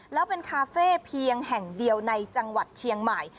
แล้วเป็นคาเฟ่เพียงแห่งเดียวในจังหวัดเชียงใหม่